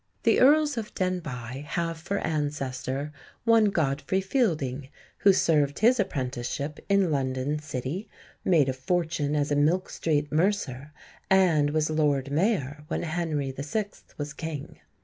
The Earls of Denbigh have for ancestor one Godfrey Fielding, who served his apprenticeship in London city, made a fortune as a Milk Street mercer, and was Lord Mayor when Henry VI. was King.